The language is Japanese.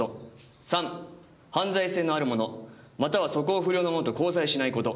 「三犯罪性のある者または素行不良の者と交際しないこと」